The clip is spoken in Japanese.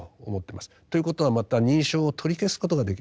ということはまた認証を取り消すことができる。